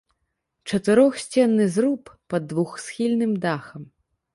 Чатырохсценны зруб пад двухсхільным дахам.